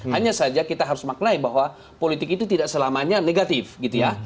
hanya saja kita harus maknai bahwa politik itu tidak selamanya negatif gitu ya